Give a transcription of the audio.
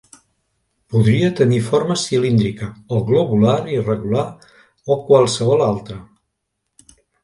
Podria tenir forma cilíndrica o globular irregular o qualsevol altra.